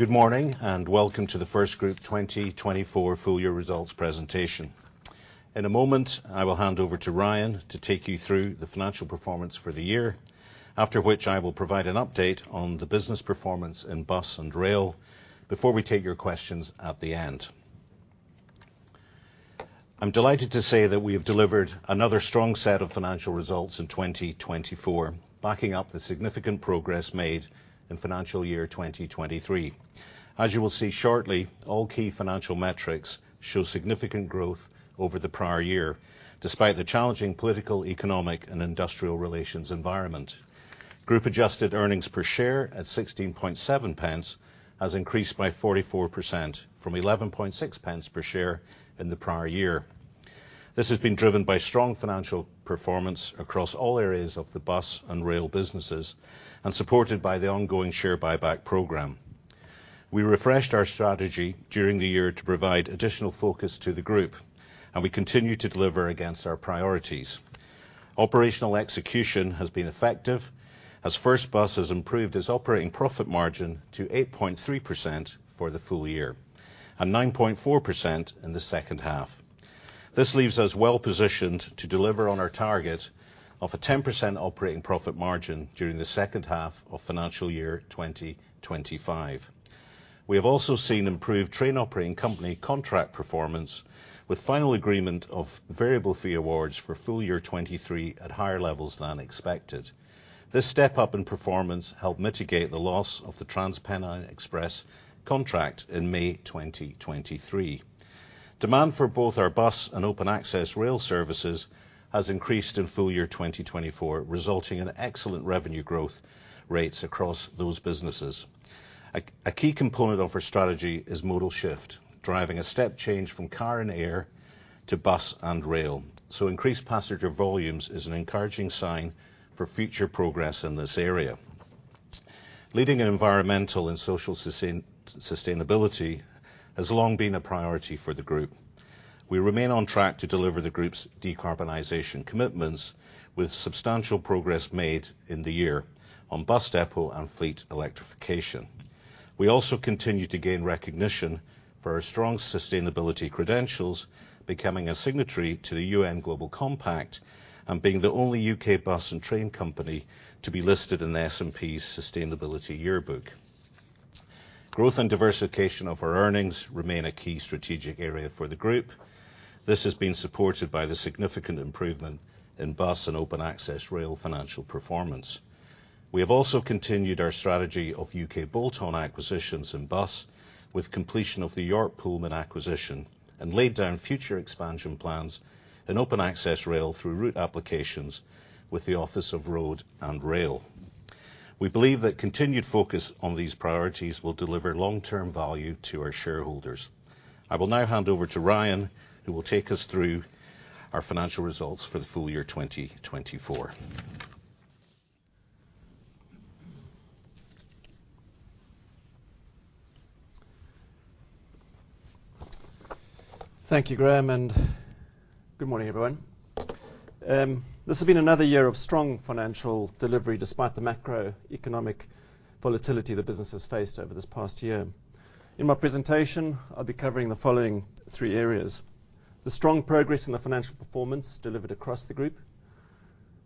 Good morning, and welcome to the FirstGroup 2024 full-year results presentation. In a moment, I will hand over to Ryan to take you through the financial performance for the year, after which I will provide an update on the business performance in bus and rail before we take your questions at the end. I'm delighted to say that we have delivered another strong set of financial results in 2024, backing up the significant progress made in financial year 2023. As you will see shortly, all key financial metrics show significant growth over the prior year, despite the challenging political, economic, and industrial relations environment. Group-adjusted earnings per share at 16.7 has increased by 44% from 11.6 per share in the prior year. This has been driven by strong financial performance across all areas of the bus and rail businesses and supported by the ongoing share buyback program. We refreshed our strategy during the year to provide additional focus to the Group, and we continue to deliver against our priorities. Operational execution has been effective as First Bus has improved its operating profit margin to 8.3% for the full year and 9.4% in the H2. This leaves us well positioned to deliver on our target of a 10% operating profit margin during the H2 of financial year 2025. We have also seen improved train-operating company contract performance, with final agreement of variable fee awards for full year 2023 at higher levels than expected. This step-up in performance helped mitigate the loss of the TransPennine Express contract in May 2023. Demand for both our bus and open-access rail services has increased in full year 2024, resulting in excellent revenue growth rates across those businesses. A key component of our strategy is modal shift, driving a step change from car and air to bus and rail. Increased passenger volumes is an encouraging sign for future progress in this area. Leading in environmental and social sustainability has long been a priority for the Group. We remain on track to deliver the Group's decarbonization commitments, with substantial progress made in the year on bus depot and fleet electrification. We also continue to gain recognition for our strong sustainability credentials, becoming a signatory to the UN Global Compact and being the only U.K. bus and train company to be listed in the S&P Sustainability Yearbook. Growth and diversification of our earnings remain a key strategic area for the Group. This has been supported by the significant improvement in bus and open-access rail financial performance. We have also continued our strategy of U.K. bolt-on acquisitions in bus, with completion of the York Pullman acquisition, and laid down future expansion plans in open access rail through route applications with the Office of Rail and Road. We believe that continued focus on these priorities will deliver long-term value to our shareholders. I will now hand over to Ryan, who will take us through our financial results for the full year 2024. Thank you, Graham, and good morning, everyone. This has been another year of strong financial delivery despite the macroeconomic volatility the business has faced over this past year. In my presentation, I'll be covering the following three areas: the strong progress in the financial performance delivered across the Group,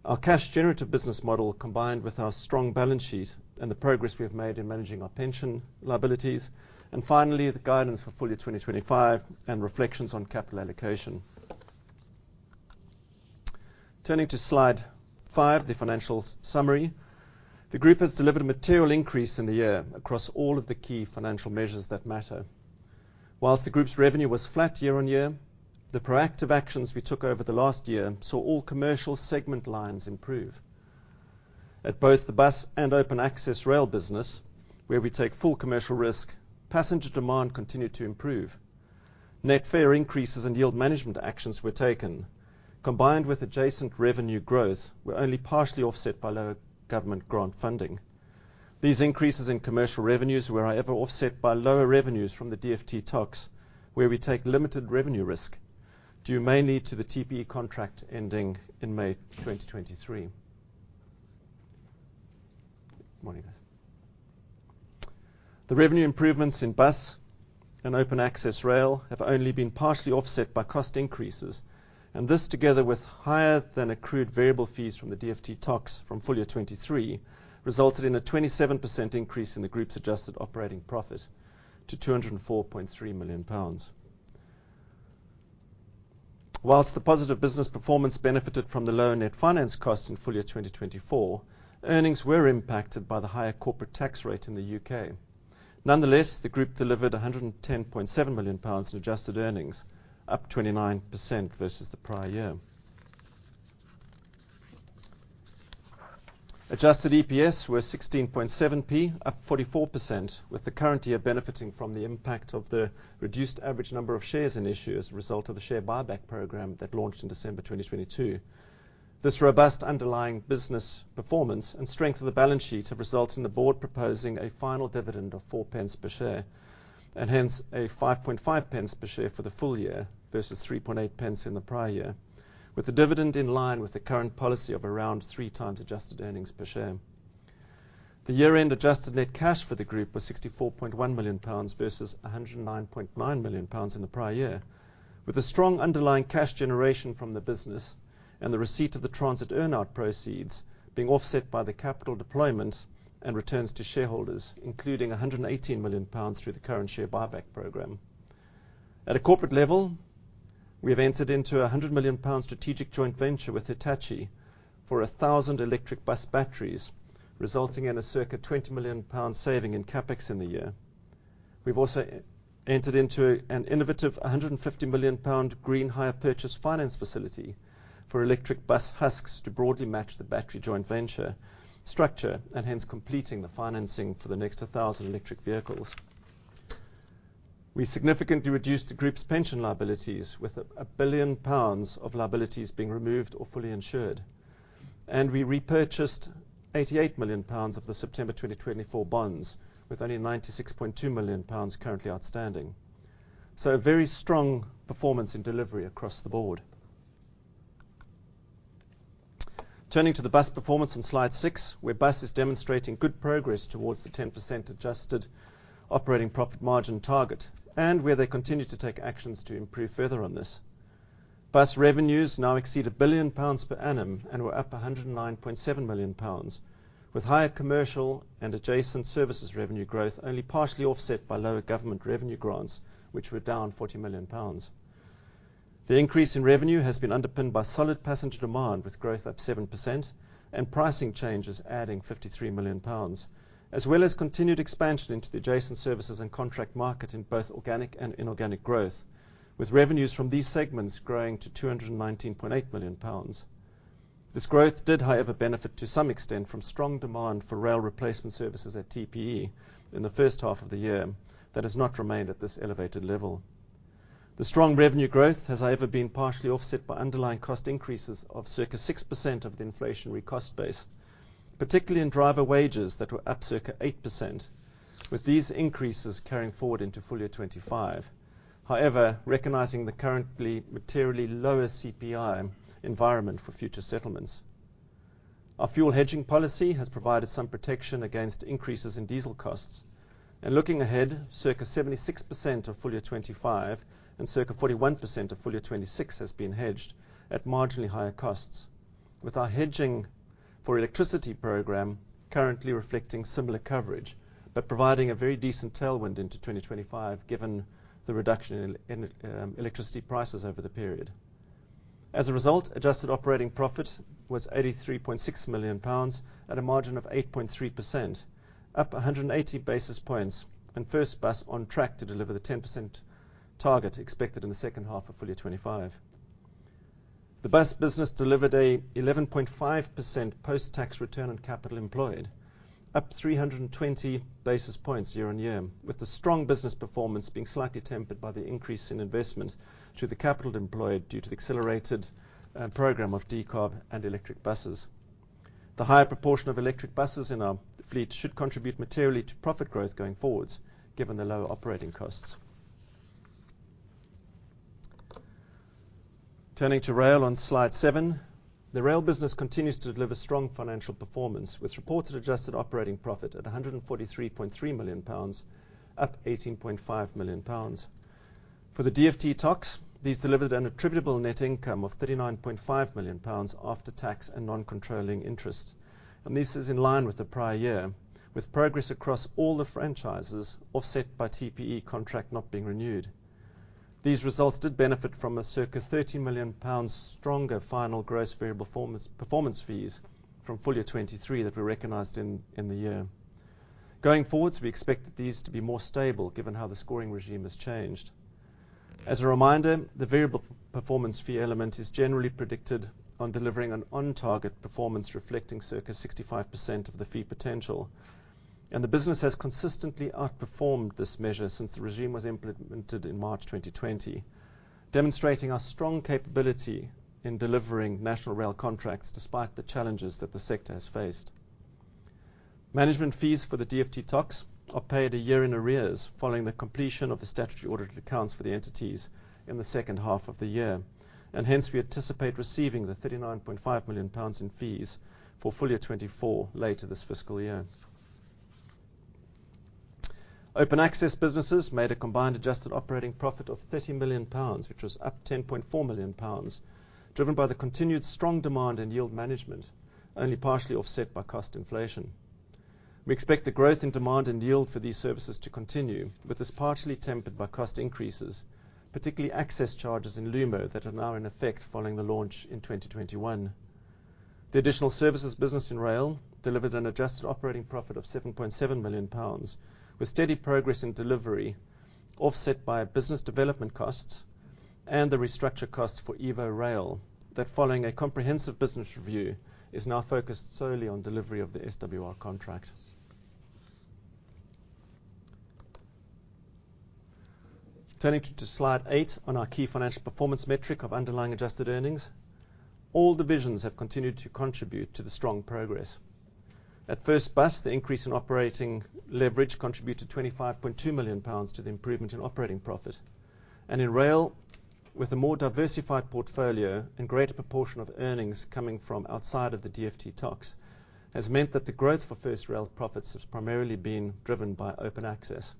our cash-generative business model combined with our strong balance sheet and the progress we have made in managing our pension liabilities, and finally, the guidance for full year 2025 and reflections on capital allocation. Turning to slide five, the financial summary, the Group has delivered a material increase in the year across all of the key financial measures that matter. While the Group's revenue was flat year-over-year, the proactive actions we took over the last year saw all commercial segment lines improve. At both the bus and open-access rail business, where we take full commercial risk, passenger demand continued to improve. Net fare increases and yield management actions were taken, combined with adjacent revenue growth, were only partially offset by lower government grant funding. These increases in commercial revenues were, however, offset by lower revenues from the DFT TOCs, where we take limited revenue risk due mainly to the TPE contract ending in May 2023. The revenue improvements in bus and open-access rail have only been partially offset by cost increases, and this, together with higher-than-accrued variable fees from the DFT TOCs from full year 2023, resulted in a 27% increase in the Group's adjusted operating profit to 204.3 million pounds. While the positive business performance benefited from the lower net finance costs in full year 2024, earnings were impacted by the higher corporate tax rate in the U.K. Nonetheless, the Group delivered 110.7 million pounds in adjusted earnings, up 29% versus the prior year. Adjusted EPS were GBP 16.7p, up 44%, with the current year benefiting from the impact of the reduced average number of shares in issue as a result of the share buyback program that launched in December 2022. This robust underlying business performance and strength of the balance sheet have resulted in the board proposing a final dividend of 4 per share, and hence a 5.5 per share for the full year versus 3.8 in the prior year, with the dividend in line with the current policy of around three times adjusted earnings per share. The year-end adjusted net cash for the Group was 64.1 million pounds versus 109.9 million pounds in the prior year, with the strong underlying cash generation from the business and the receipt of the transit earn-out proceeds being offset by the capital deployment and returns to shareholders, including 118 million pounds through the current share buyback program. At a corporate level, we have entered into a 100 million pound strategic joint venture with Hitachi for 1,000 electric bus batteries, resulting in a circa 20 million pound saving in CapEx in the year. We've also entered into an innovative 150 million pound green hire-purchase finance facility for electric bus hulls to broadly match the battery joint venture structure and hence completing the financing for the next 1,000 electric vehicles. We significantly reduced the Group's pension liabilities, with 1 billion pounds of liabilities being removed or fully insured, and we repurchased 88 million pounds of the September 2024 bonds, with only 96.2 million pounds currently outstanding. A very strong performance in delivery across the board. Turning to the bus performance on slide six, where bus is demonstrating good progress towards the 10% adjusted operating profit margin target, and where they continue to take actions to improve further on this. Bus revenues now exceed 1 billion pounds per annum and were up 109.7 million pounds, with higher commercial and adjacent services revenue growth only partially offset by lower government revenue grants, which were down 40 million pounds. The increase in revenue has been underpinned by solid passenger demand, with growth up 7% and pricing changes adding 53 million pounds, as well as continued expansion into the adjacent services and contract market in both organic and inorganic growth, with revenues from these segments growing to 219.8 million pounds. This growth did, however, benefit to some extent from strong demand for rail replacement services at TPE in the H1 of the year that has not remained at this elevated level. The strong revenue growth has, however, been partially offset by underlying cost increases of circa 6% of the inflationary cost base, particularly in driver wages that were up circa 8%, with these increases carrying forward into full year 2025, however, recognizing the currently materially lower CPI environment for future settlements. Our fuel hedging policy has provided some protection against increases in diesel costs, and looking ahead, circa 76% of full year 2025 and circa 41% of full year 2026 has been hedged at marginally higher costs, with our hedging for electricity program currently reflecting similar coverage but providing a very decent tailwind into 2025 given the reduction in electricity prices over the period. As a result, adjusted operating profit was 83.6 million pounds at a margin of 8.3%, up 180 basis points, and First Bus on track to deliver the 10% target expected in the H2 of full year 2025. The bus business delivered an 11.5% post-tax return on capital employed, up 320 basis points year-on-year, with the strong business performance being slightly tempered by the increase in investment through the capital employed due to the accelerated program of decarb and electric buses. The higher proportion of electric buses in our fleet should contribute materially to profit growth going forward, given the lower operating costs. Turning to rail on slide seven, the rail business continues to deliver strong financial performance, with reported adjusted operating profit at 143.3 million pounds, up 18.5 million pounds. For the DFT TOCs, these delivered an attributable net income of 39.5 million pounds after tax and non-controlling interest, and this is in line with the prior year, with progress across all the franchises offset by TPE contract not being renewed. These results did benefit from a circa 30 million pounds stronger final gross variable performance fees from full year 2023 that were recognized in the year. Going forward, we expect these to be more stable given how the scoring regime has changed. As a reminder, the variable performance fee element is generally predicated on delivering an on-target performance reflecting circa 65% of the fee potential, and the business has consistently outperformed this measure since the regime was implemented in March 2020, demonstrating our strong capability in delivering National Rail Contracts despite the challenges that the sector has faced. Management fees for the DFT TOCs are paid a year in arrears following the completion of the statutory audited accounts for the entities in the H2 of the year, and hence we anticipate receiving the 39.5 million pounds in fees for full year 2024 later this fiscal year. Open Access businesses made a combined adjusted operating profit of 30 million pounds, which was up 10.4 million pounds, driven by the continued strong demand and yield management, only partially offset by cost inflation. We expect the growth in demand and yield for these services to continue, but this is partially tempered by cost increases, particularly access charges in Lumo that are now in effect following the launch in 2021. The additional services business in rail delivered an adjusted operating profit of 7.7 million pounds, with steady progress in delivery offset by business development costs and the restructure costs for EvoRail that, following a comprehensive business review, is now focused solely on delivery of the SWR contract. Turning to slide eight on our key financial performance metric of underlying adjusted earnings, all divisions have continued to contribute to the strong progress. At First Bus, the increase in operating leverage contributed 25.2 million pounds to the improvement in operating profit, and in rail, with a more diversified portfolio and greater proportion of earnings coming from outside of the DFT TOCs, has meant that the growth for First Rail profits has primarily been driven by open access.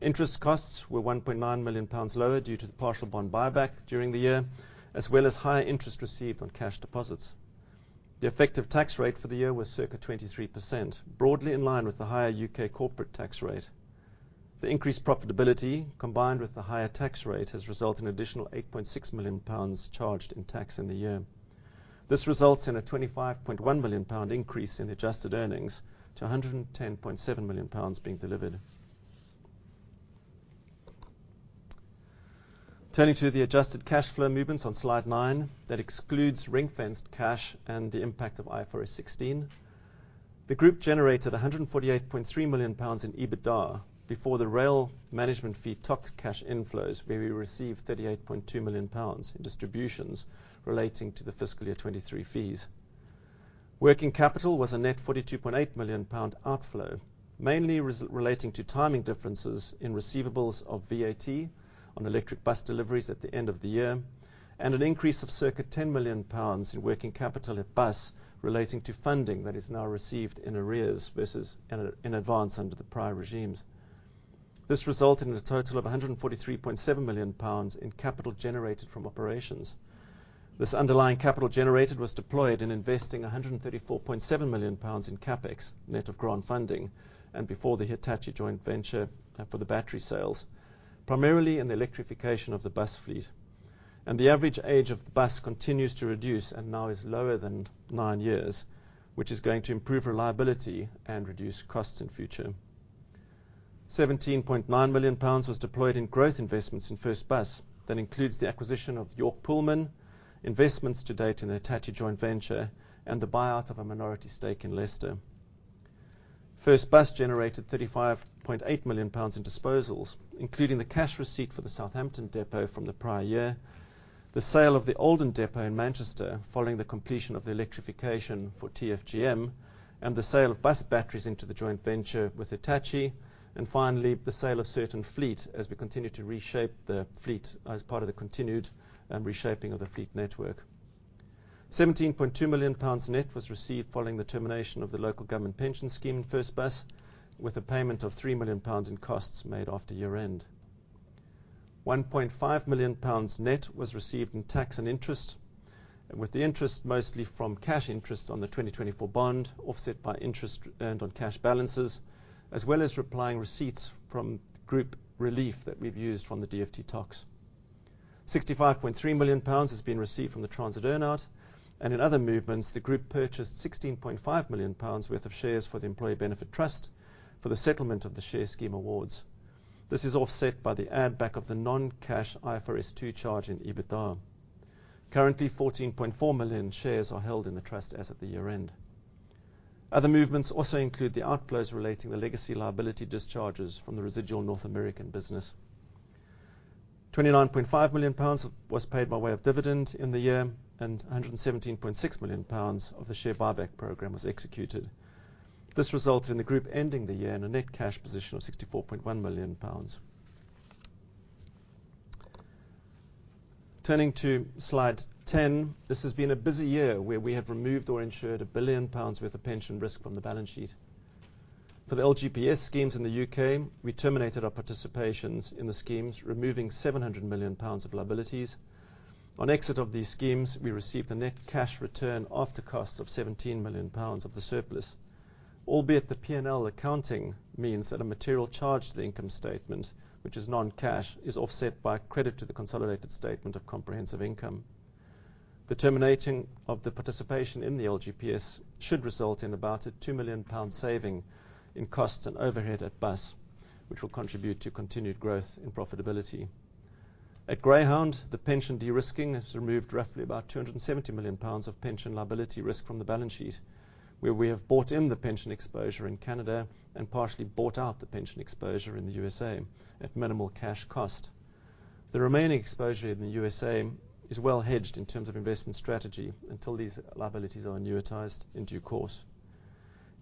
Interest costs were 1.9 million pounds lower due to the partial bond buyback during the year, as well as higher interest received on cash deposits. The effective tax rate for the year was circa 23%, broadly in line with the higher U.K. corporate tax rate. The increased profitability, combined with the higher tax rate, has resulted in an additional 8.6 million pounds charged in tax in the year. This results in a 25.1 million pound increase in adjusted earnings to 110.7 million pounds being delivered. Turning to the adjusted cash flow movements on slide nine that excludes ring-fenced cash and the impact of IFRS 16, the Group generated 148.3 million pounds in EBITDA before the rail management fee TOC cash inflows, where we received 38.2 million pounds in distributions relating to the fiscal year 2023 fees. Working capital was a net 42.8 million pound outflow, mainly relating to timing differences in receivables of VAT on electric bus deliveries at the end of the year, and an increase of circa 10 million pounds in working capital at bus relating to funding that is now received in arrears versus in advance under the prior regimes. This resulted in a total of 143.7 million pounds in capital generated from operations. This underlying capital generated was deployed in investing 134.7 million pounds in CapEx net of grant funding and before the Hitachi joint venture for the battery sales, primarily in the electrification of the bus fleet. And the average age of the bus continues to reduce and now is lower than nine years, which is going to improve reliability and reduce costs in future. 17.9 million pounds was deployed in growth investments in First Bus that includes the acquisition of York Pullman, investments to date in the Hitachi joint venture, and the buyout of a minority stake in Leicester. Bus generated 35.8 million pounds in disposals, including the cash receipt for the Southampton depot from the prior year, the sale of the Oldham depot in Manchester following the completion of the electrification for TfGM, and the sale of bus batteries into the joint venture with Hitachi, and finally, the sale of certain fleet as we continue to reshape the fleet as part of the continued reshaping of the fleet network. 17.2 million pounds net was received following the termination of the local government pension scheme in First Bus, with a payment of 3 million pounds in costs made after year-end. 1.5 million pounds net was received in tax and interest, with the interest mostly from cash interest on the 2024 bond offset by interest earned on cash balances, as well as relief receipts from Group relief that we've used from the DFT TOCs. 65.3 million pounds has been received from the transit earn-out, and in other movements, the Group purchased 16.5 million pounds worth of shares for the Employee Benefit Trust for the settlement of the share scheme awards. This is offset by the add-back of the non-cash IFRS 2 charge in EBITDA. Currently, 14.4 million shares are held in the trust as of the year-end. Other movements also include the outflows relating to the legacy liability discharges from the residual North American business. 29.5 million pounds was paid by way of dividend in the year, and 117.6 million pounds of the share buyback program was executed. This resulted in the Group ending the year in a net cash position of 64.1 million pounds. Turning to slide 10, this has been a busy year where we have removed or insured 1 billion pounds worth of pension risk from the balance sheet. For the LGPS schemes in the U.K., we terminated our participations in the schemes, removing 700 million pounds of liabilities. On exit of these schemes, we received a net cash return after costs of 17 million pounds of the surplus, albeit the P&L accounting means that a material charge to the income statement, which is non-cash, is offset by a credit to the consolidated statement of comprehensive income. The terminating of the participation in the LGPS should result in about a 2 million pound saving in costs and overhead at bus, which will contribute to continued growth in profitability. At Greyhound, the pension de-risking has removed roughly about 270 million pounds of pension liability risk from the balance sheet, where we have bought in the pension exposure in Canada and partially bought out the pension exposure in the U.S.A at minimal cash cost. The remaining exposure in the U.S.A. is well hedged in terms of investment strategy until these liabilities are annuitized in due course.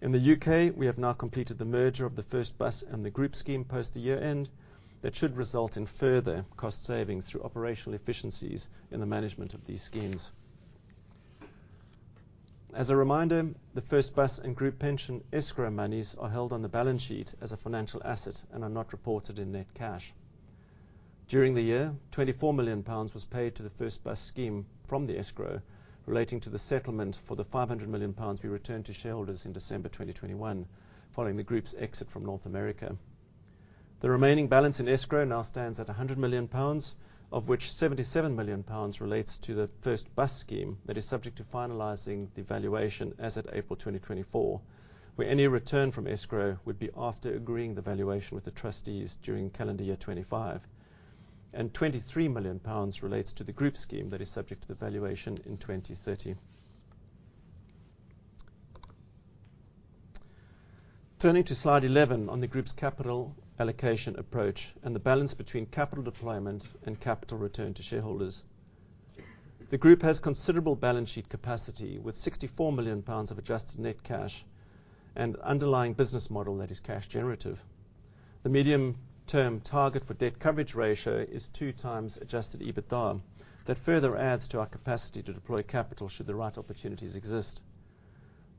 In the U.K., we have now completed the merger of the First Bus and the Group scheme post the year-end that should result in further cost savings through operational efficiencies in the management of these schemes. As a reminder, the First Bus and Group pension escrow monies are held on the balance sheet as a financial asset and are not reported in net cash. During the year, 24 million pounds was paid to the First Bus scheme from the escrow relating to the settlement for the 500 million pounds we returned to shareholders in December 2021 following the Group's exit from North America. The remaining balance in escrow now stands at 100 million pounds, of which 77 million pounds relates to the First Bus scheme that is subject to finalizing the valuation as of April 2024, where any return from escrow would be after agreeing the valuation with the trustees during calendar year 2025, and 23 million pounds relates to the Group scheme that is subject to the valuation in 2030. Turning to slide 11 on the Group's capital allocation approach and the balance between capital deployment and capital return to shareholders, the Group has considerable balance sheet capacity with 64 million pounds of adjusted net cash and underlying business model that is cash generative. The medium-term target for debt coverage ratio is 2x adjusted EBITDA that further adds to our capacity to deploy capital should the right opportunities exist.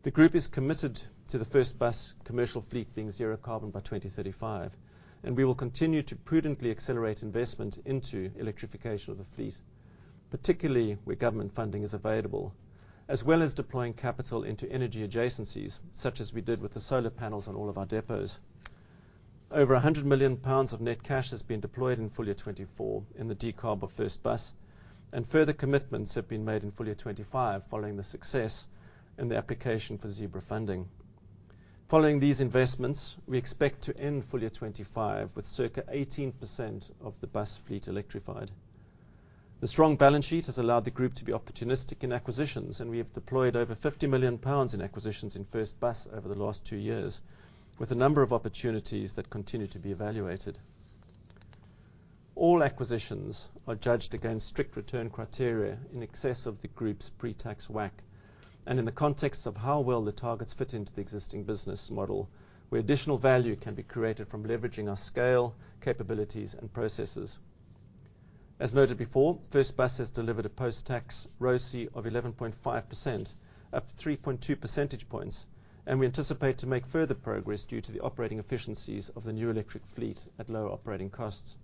The Group is committed to the First Bus commercial fleet being zero carbon by 2035, and we will continue to prudently accelerate investment into electrification of the fleet, particularly where government funding is available, as well as deploying capital into energy adjacencies such as we did with the solar panels on all of our depots. Over 100 million pounds of net cash has been deployed in full year 2024 in the DCOB of First Bus, and further commitments have been made in full year 2025 following the success in the application for ZEBRA funding. Following these investments, we expect to end full year 2025 with circa 18% of the bus fleet electrified. The strong balance sheet has allowed the Group to be opportunistic in acquisitions, and we have deployed over 50 million pounds in acquisitions in First Bus over the last two years, with a number of opportunities that continue to be evaluated. All acquisitions are judged against strict return criteria in excess of the Group's pre-tax WACC, and in the context of how well the targets fit into the existing business model, where additional value can be created from leveraging our scale, capabilities, and processes. As noted before, First Bus has delivered a post-tax ROCE of 11.5%, up 3.2 percentage points, and we anticipate to make further progress due to the operating efficiencies of the new electric fleet at lower operating costs.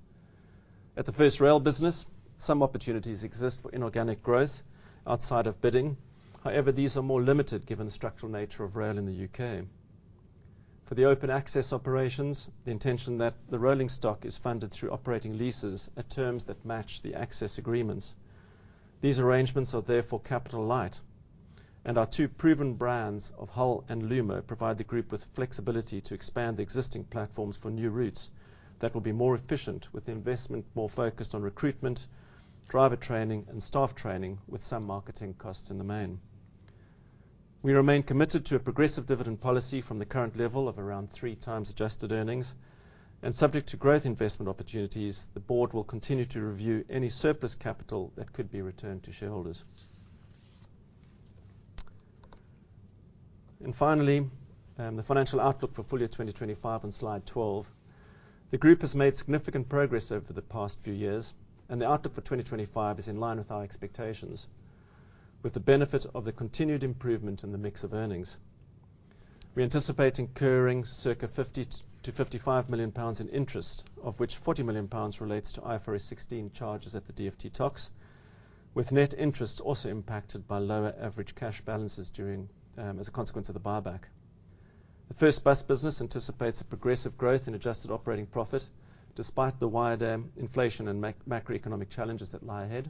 At the First Rail business, some opportunities exist for inorganic growth outside of bidding; however, these are more limited given the structural nature of rail in the U.K. For the open access operations, the intention that the rolling stock is funded through operating leases at terms that match the access agreements. These arrangements are therefore capital light, and our two proven brands of Hull and Lumo provide the Group with flexibility to expand existing platforms for new routes that will be more efficient with investment more focused on recruitment, driver training, and staff training, with some marketing costs in the main. We remain committed to a progressive dividend policy from the current level of around three times adjusted earnings, and subject to growth investment opportunities, the Board will continue to review any surplus capital that could be returned to shareholders. And finally, the financial outlook for full year 2025 on slide 12. The Group has made significant progress over the past few years, and the outlook for 2025 is in line with our expectations, with the benefit of the continued improvement in the mix of earnings. We anticipate incurring circa 50-55 million pounds in interest, of which 40 million pounds relates to IFRS 16 charges at the DFT TOCs, with net interest also impacted by lower average cash balances as a consequence of the buyback. The First Bus business anticipates a progressive growth in adjusted operating profit despite the wider inflation and macroeconomic challenges that lie ahead.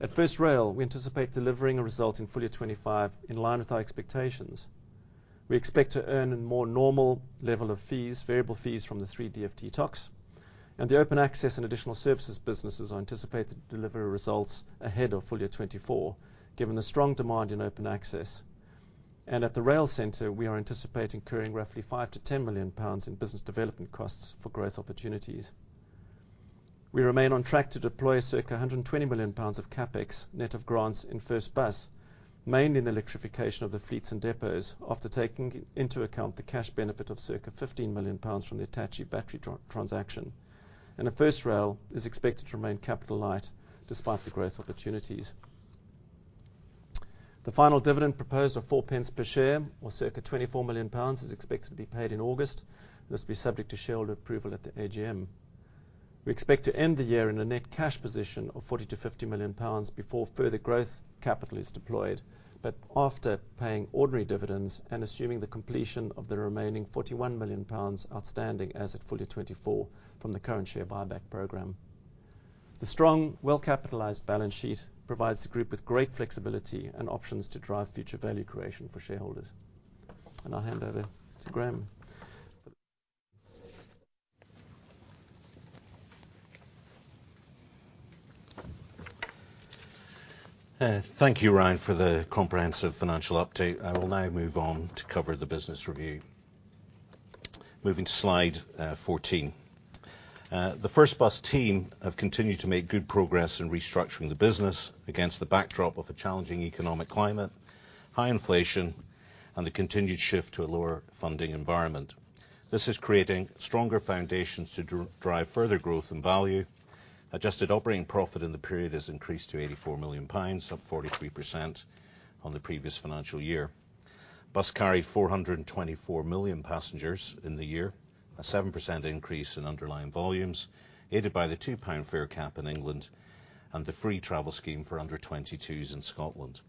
At First Rail, we anticipate delivering a result in full year 2025 in line with our expectations. We expect to earn a more normal level of fees, variable fees from the 3 DFT TOCs, and the open access and additional services businesses are anticipated to deliver results ahead of full year 2024, given the strong demand in open access. At the Rail Centre, we are anticipating incurring roughly 5 million- 10 million pounds in business development costs for growth opportunities. We remain on track to deploy circa 120 million pounds of CapEx net of grants in First Bus, mainly in the electrification of the fleets and depots, after taking into account the cash benefit of circa 15 million pounds from the Hitachi battery transaction. At First Rail, it is expected to remain capital light despite the growth opportunities. The final dividend proposed of 0.04 per share, or circa 24 million pounds, is expected to be paid in August. This will be subject to shareholder approval at the AGM. We expect to end the year in a net cash position of 40 million-50 million pounds before further growth capital is deployed, but after paying ordinary dividends and assuming the completion of the remaining 41 million pounds outstanding as of full year 2024 from the current share buyback program. The strong, well-capitalized balance sheet provides the Group with great flexibility and options to drive future value creation for shareholders. I'll hand over to Graham. Thank you, Ryan, for the comprehensive financial update. I will now move on to cover the business review. Moving to slide 14. The First Bus team have continued to make good progress in restructuring the business against the backdrop of a challenging economic climate, high inflation, and the continued shift to a lower funding environment. This is creating stronger foundations to drive further growth and value. Adjusted operating profit in the period has increased to 84 million pounds, up 43% on the previous financial year. Bus carried 424 million passengers in the year, a 7% increase in underlying volumes, aided by the 2 pound fare cap in England and the free travel scheme for under-22s in Scotland.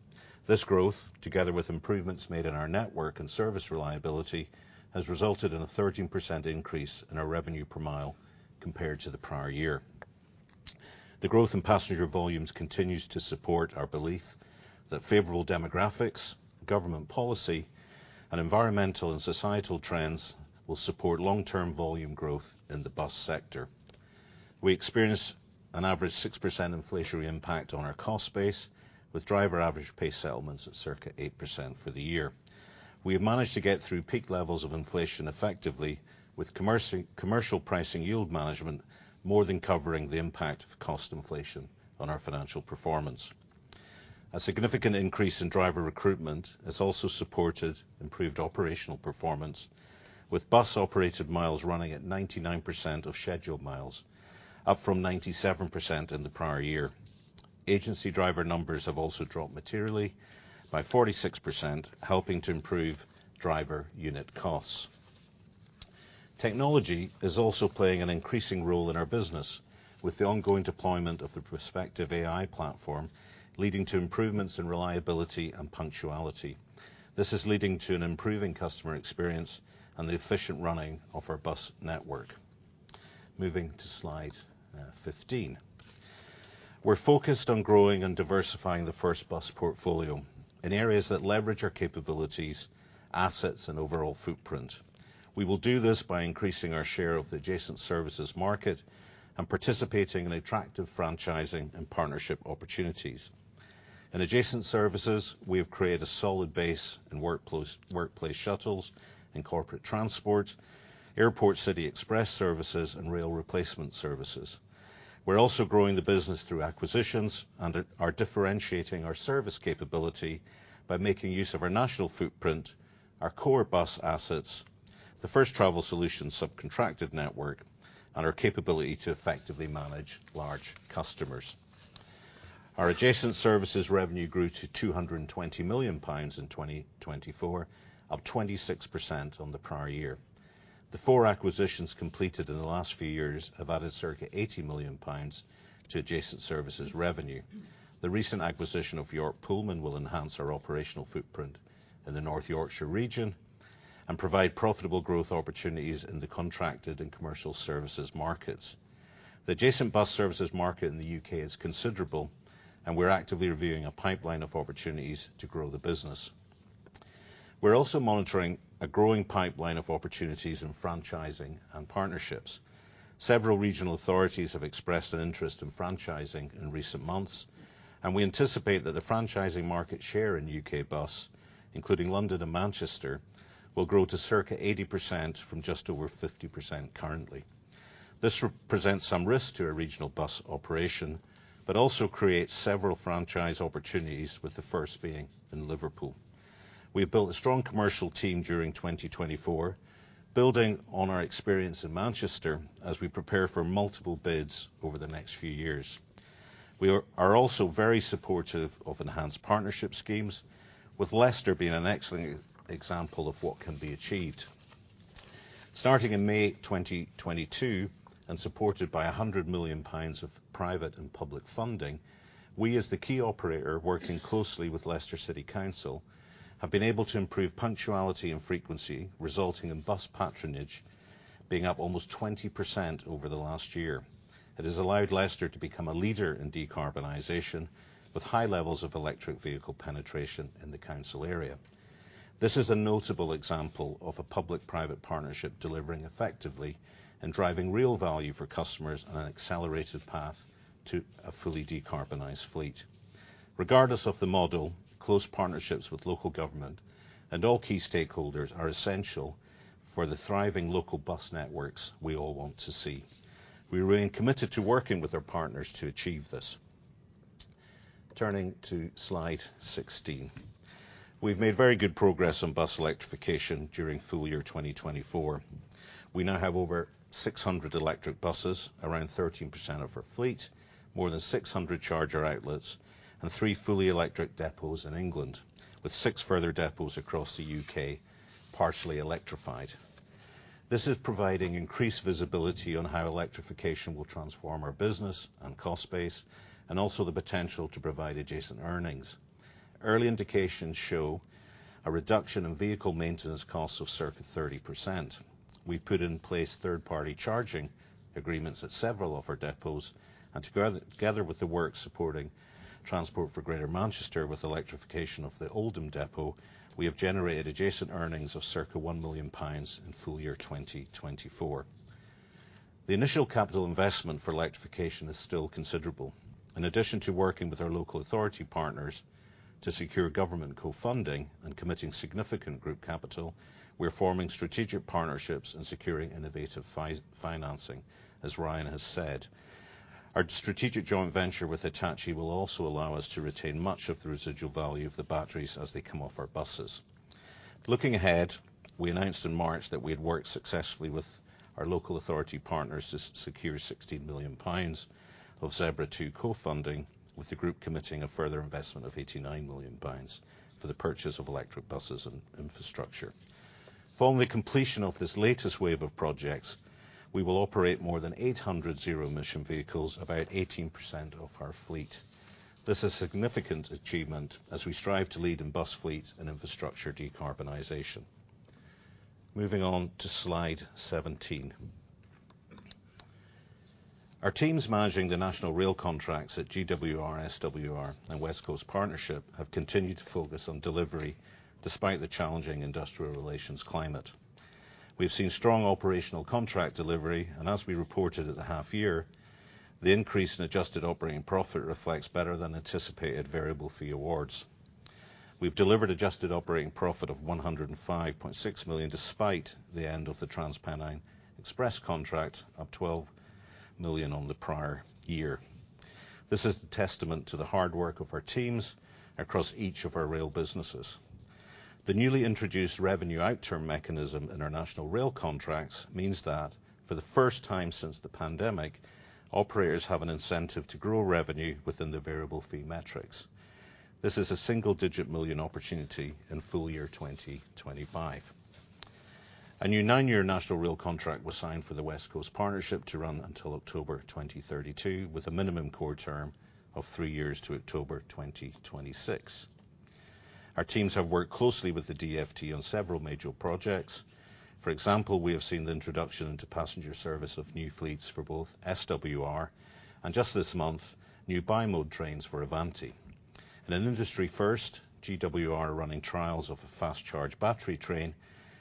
This growth, together with improvements made in our network and service reliability, has resulted in a 13% increase in our revenue per mile compared to the prior year. The growth in passenger volumes continues to support our belief that favorable demographics, government policy, and environmental and societal trends will support long-term volume growth in the bus sector. We experience an average 6% inflationary impact on our cost base, with driver average pay settlements at circa 8% for the year. We have managed to get through peak levels of inflation effectively, with commercial pricing yield management more than covering the impact of cost inflation on our financial performance. A significant increase in driver recruitment has also supported improved operational performance, with bus-operated miles running at 99% of scheduled miles, up from 97% in the prior year. Agency driver numbers have also dropped materially by 46%, helping to improve driver unit costs. Technology is also playing an increasing role in our business, with the ongoing deployment of the Prospective AI platform leading to improvements in reliability and punctuality. This is leading to an improving customer experience and the efficient running of our bus network. Moving to slide 15. We're focused on growing and diversifying the First Bus portfolio in areas that leverage our capabilities, assets, and overall footprint. We will do this by increasing our share of the adjacent services market and participating in attractive franchising and partnership opportunities. In adjacent services, we have created a solid base in workplace shuttles and corporate transport, airport city express services, and rail replacement services. We're also growing the business through acquisitions and are differentiating our service capability by making use of our national footprint, our core bus assets, the First Travel Solutions subcontracted network, and our capability to effectively manage large customers. Our adjacent services revenue grew to 220 million pounds in 2024, up 26% on the prior year. The four acquisitions completed in the last few years have added circa 80 million pounds to adjacent services revenue. The recent acquisition of York Pullman will enhance our operational footprint in the North Yorkshire region and provide profitable growth opportunities in the contracted and commercial services markets. The adjacent bus services market in the U.K. is considerable, and we're actively reviewing a pipeline of opportunities to grow the business. We're also monitoring a growing pipeline of opportunities in franchising and partnerships. Several regional authorities have expressed an interest in franchising in recent months, and we anticipate that the franchising market share in U.K. bus, including London and Manchester, will grow to circa 80% from just over 50% currently. This presents some risk to our regional bus operation, but also creates several franchise opportunities, with the first being in Liverpool. We have built a strong commercial team during 2024, building on our experience in Manchester as we prepare for multiple bids over the next few years. We are also very supportive of enhanced partnership schemes, with Leicester being an excellent example of what can be achieved. Starting in May 2022 and supported by 100 million pounds of private and public funding, we, as the key operator working closely with Leicester City Council, have been able to improve punctuality and frequency, resulting in bus patronage being up almost 20% over the last year. It has allowed Leicester to become a leader in decarbonization, with high levels of electric vehicle penetration in the council area. This is a notable example of a public-private partnership delivering effectively and driving real value for customers on an accelerated path to a fully decarbonized fleet. Regardless of the model, close partnerships with local government and all key stakeholders are essential for the thriving local bus networks we all want to see. We remain committed to working with our partners to achieve this. Turning to slide 16. We've made very good progress on bus electrification during full year 2024. We now have over 600 electric buses, around 13% of our fleet, more than 600 charger outlets, and three fully electric depots in England, with six further depots across the U.K. partially electrified. This is providing increased visibility on how electrification will transform our business and cost base, and also the potential to provide adjacent earnings. Early indications show a reduction in vehicle maintenance costs of circa 30%. We've put in place third-party charging agreements at several of our depots, and together with the work supporting Transport for Greater Manchester with electrification of the Oldham depot, we have generated adjacent earnings of circa 1 million pounds in full year 2024. The initial capital investment for electrification is still considerable. In addition to working with our local authority partners to secure government co-funding and committing significant group capital, we're forming strategic partnerships and securing innovative financing, as Ryan has said. Our strategic joint venture with Hitachi will also allow us to retain much of the residual value of the batteries as they come off our buses. Looking ahead, we announced in March that we had worked successfully with our local authority partners to secure 16 million pounds of ZEBRA 2 co-funding, with the Group committing a further investment of 89 million pounds for the purchase of electric buses and infrastructure. Following the completion of this latest wave of projects, we will operate more than 800 zero-emission vehicles, about 18% of our fleet. This is a significant achievement as we strive to lead in bus fleet and infrastructure decarbonization. Moving on to slide 17. Our teams managing the National Rail Contracts at GWR, SWR, and West Coast Partnership have continued to focus on delivery despite the challenging industrial relations climate. We've seen strong operational contract delivery, and as we reported at the half-year, the increase in adjusted operating profit reflects better than anticipated variable fee awards. We've delivered adjusted operating profit of 105.6 million despite the end of the Trans-Pennine Express contract, up 12 million on the prior year. This is a testament to the hard work of our teams across each of our rail businesses. The newly introduced revenue outturn mechanism in our National Rail Contracts means that, for the first time since the pandemic, operators have an incentive to grow revenue within the variable fee metrics. This is a single-digit million opportunity in full year 2025. A new nine-year National Rail Contract was signed for the West Coast Partnership to run until October 2032, with a minimum core term of three years to October 2026. Our teams have worked closely with the DFT on several major projects. For example, we have seen the introduction into passenger service of new fleets for both SWR and, just this month, new bi-mode trains for Avanti. In an industry first, GWR are running trials of a fast-charge battery train,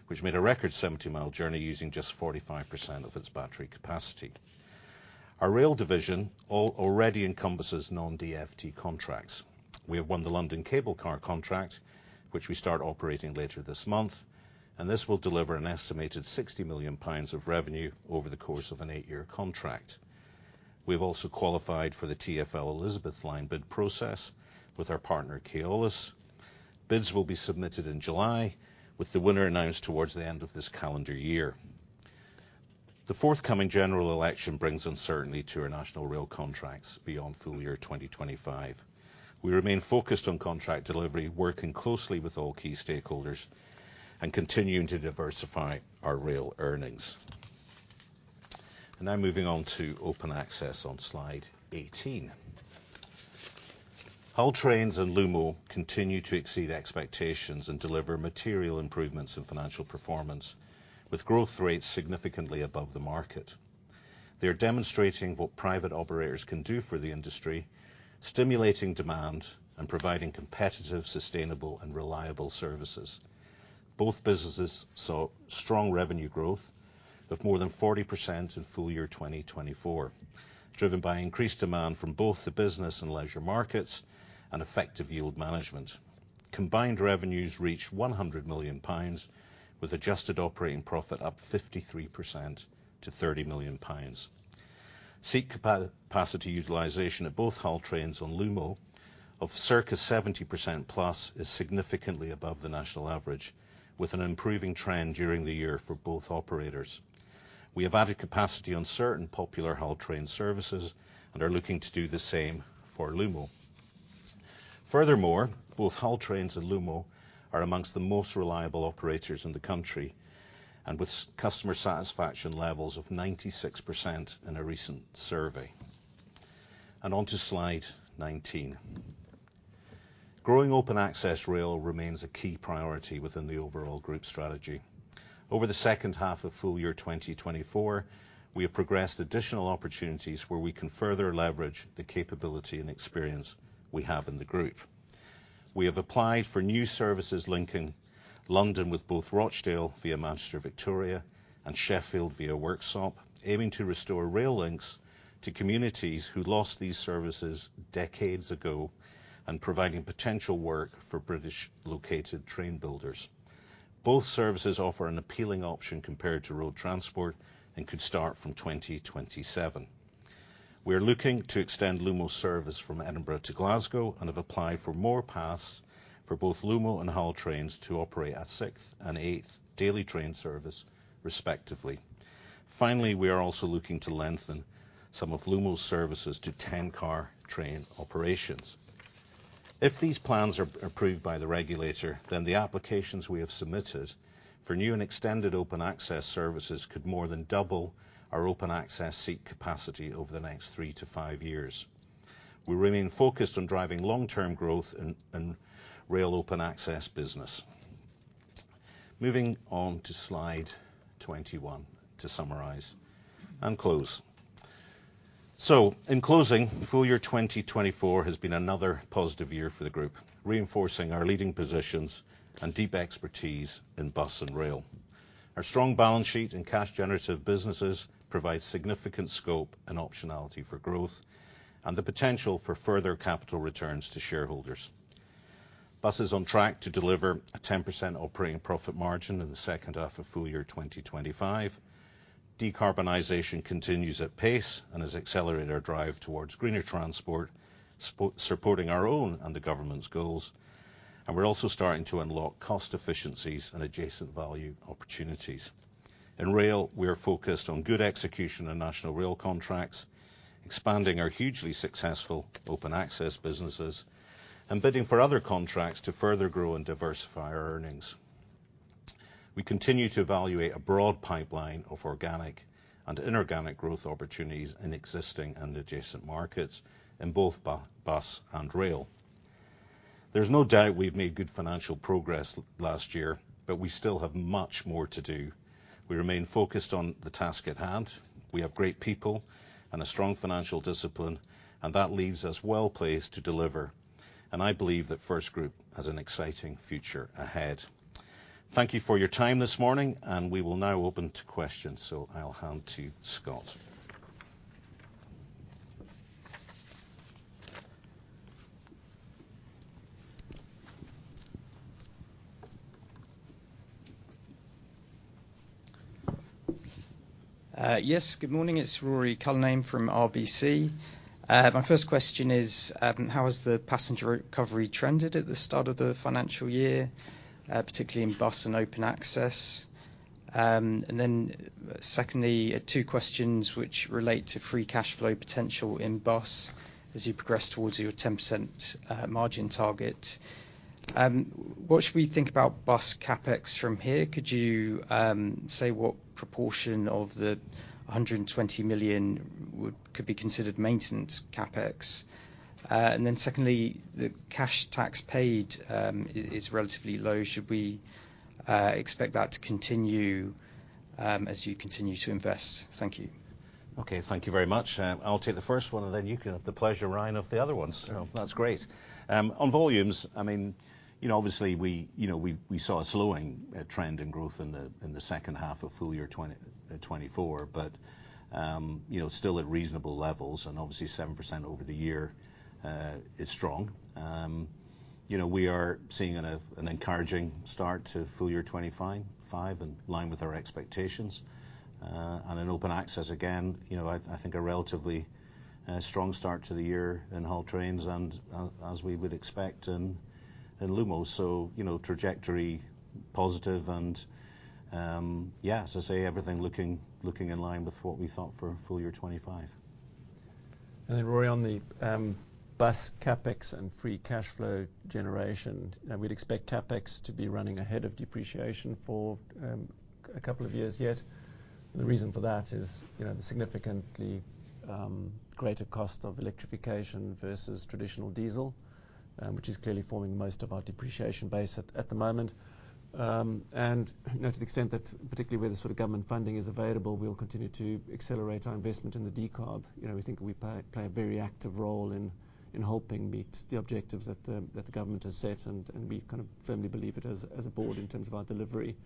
which made a record 70-mile journey using just 45% of its battery capacity. Our rail division already encompasses non-DFT contracts. We have won the London Cable Car contract, which we start operating later this month, and this will deliver an estimated 60 million pounds of revenue over the course of an eight-year contract. We've also qualified for the TfL Elizabeth line bid process with our partner Keolis. Bids will be submitted in July, with the winner announced towards the end of this calendar year. The forthcoming general election brings uncertainty to our National Rail Contracts beyond full year 2025. We remain focused on contract delivery, working closely with all key stakeholders and continuing to diversify our rail earnings. And now moving on to open access on slide 18. Hull Trains and Lumo continue to exceed expectations and deliver material improvements in financial performance, with growth rates significantly above the market. They are demonstrating what private operators can do for the industry, stimulating demand and providing competitive, sustainable, and reliable services. Both businesses saw strong revenue growth of more than 40% in full year 2024, driven by increased demand from both the business and leisure markets and effective yield management. Combined revenues reached 100 million pounds, with adjusted operating profit up 53% to 30 million pounds. Seat capacity utilization at both Hull Trains and Lumo of circa 70% plus is significantly above the national average, with an improving trend during the year for both operators. We have added capacity on certain popular Hull Trains services and are looking to do the same for Lumo. Furthermore, both Hull Trains and Lumo are among the most reliable operators in the country, and with customer satisfaction levels of 96% in a recent survey. On to slide 19. Growing open access rail remains a key priority within the overall group strategy. Over the H2 of full year 2024, we have progressed additional opportunities where we can further leverage the capability and experience we have in the group. We have applied for new services linking London with both Rochdale via Manchester Victoria and Sheffield via Worksop, aiming to restore rail links to communities who lost these services decades ago and providing potential work for British-located train builders. Both services offer an appealing option compared to road transport and could start from 2027. We are looking to extend Lumo's service from Edinburgh to Glasgow and have applied for more paths for both Lumo and Hull Trains to operate at sixth and eighth daily train service, respectively. Finally, we are also looking to lengthen some of Lumo's services to 10-car train operations. If these plans are approved by the regulator, then the applications we have submitted for new and extended open access services could more than double our open access seat capacity over the next three-five years. We remain focused on driving long-term growth in rail open access business. Moving on to slide 21 to summarize and close. So, in closing, full year 2024 has been another positive year for the Group, reinforcing our leading positions and deep expertise in bus and rail. Our strong balance sheet and cash-generative businesses provide significant scope and optionality for growth and the potential for further capital returns to shareholders. Bus is on track to deliver a 10% operating profit margin in the H2 of full year 2025. Decarbonization continues at pace and has accelerated our drive towards greener transport, supporting our own and the government's goals, and we're also starting to unlock cost efficiencies and adjacent value opportunities. In rail, we are focused on good execution of National Rail Contracts, expanding our hugely successful open access businesses and bidding for other contracts to further grow and diversify our earnings. We continue to evaluate a broad pipeline of organic and inorganic growth opportunities in existing and adjacent markets in both bus and rail. There's no doubt we've made good financial progress last year, but we still have much more to do. We remain focused on the task at hand. We have great people and a strong financial discipline, and that leaves us well placed to deliver, and I believe that FirstGroup has an exciting future ahead. Thank you for your time this morning, and we will now open to questions, so I'll hand to Scott. Yes, good morning. It's Rory Cullinan from RBC. My first question is, how has the passenger recovery trended at the start of the financial year, particularly in bus and open access? And then secondly, two questions which relate to free cash flow potential in bus as you progress towards your 10% margin target. What should we think about bus CapEx from here? Could you say what proportion of the 120 million could be considered maintenance CapEx? And then secondly, the cash tax paid is relatively low. Should we expect that to continue as you continue to invest? Thank you. Okay, thank you very much. I'll take the first one, and then you can have the pleasure, Ryan, of the other ones. That's great. On volumes, I mean, obviously we saw a slowing trend in growth in the H2 of full year 2024, but still at reasonable levels, and obviously 7% over the year is strong. We are seeing an encouraging start to full year 2025 in line with our expectations. And in open access, again, I think a relatively strong start to the year in Hull Trains and, as we would expect, in Lumo. So, trajectory positive and, yes, I say everything looking in line with what we thought for full year 2025. Then, Rory, on the bus CapEx and free cash flow generation, we'd expect CapEx to be running ahead of depreciation for a couple of years yet. The reason for that is the significantly greater cost of electrification versus traditional diesel, which is clearly forming most of our depreciation base at the moment. To the extent that, particularly where the sort of government funding is available, we'll continue to accelerate our investment in the decarb. We think we play a very active role in helping meet the objectives that the government has set, and we kind of firmly believe it as a board in terms of our delivery.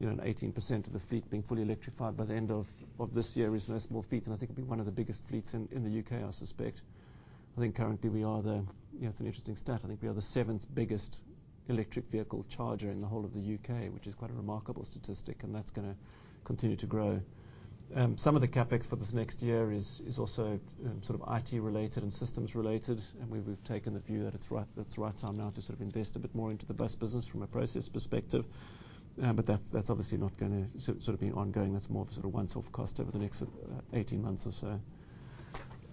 18% of the fleet being fully electrified by the end of this year is less more fleet, and I think it'll be one of the biggest fleets in the U.K., I suspect. I think currently we are the, it's an interesting stat, I think we are the seventh biggest electric vehicle charger in the whole of the U.K., which is quite a remarkable statistic, and that's going to continue to grow. Some of the CapEx for this next year is also sort of IT-related and systems-related, and we've taken the view that it's the right time now to sort of invest a bit more into the bus business from a process perspective, but that's obviously not going to sort of be ongoing. That's more of a sort of one-off sort of cost over the next 18 months or so.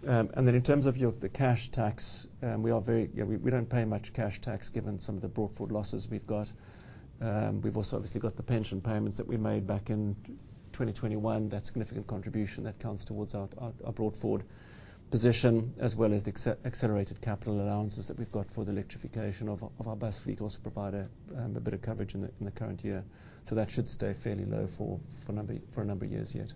Then in terms of the cash tax, we are very, we don't pay much cash tax given some of the brought forward losses we've got. We've also obviously got the pension payments that we made back in 2021. That's a significant contribution that counts towards our broad forward position, as well as the accelerated capital allowances that we've got for the electrification of our bus fleet, also provide a bit of coverage in the current year. So that should stay fairly low for a number of years yet.